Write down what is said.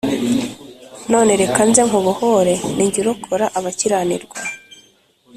None reka nze, nkubohore: Ni jy' urokor' abakiranirwa.